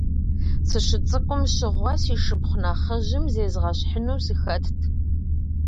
Сыщыцӏыкӏум щыгъуэ, си шыпхъу нэхъыжьым зезгъэщхьыну сыхэтт.